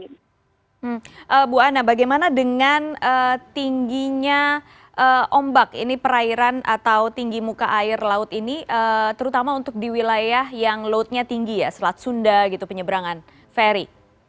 ibu ana bagaimana dengan tingginya ombak ini perairan atau tinggi muka air laut ini terutama untuk di wilayah yang loadnya tinggi ya selat sunda gitu penyebrangan ferry